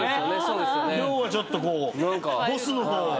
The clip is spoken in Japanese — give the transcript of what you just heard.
今日はちょっとボスの方を。